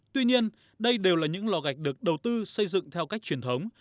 tuy nhiên đây đều là những lò gạch được đầu tư xây dựng theo cách truyền thống